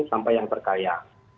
sampai yang terkaya